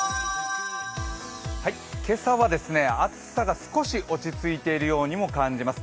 今朝は暑さが少し落ち着いているようにも感じます。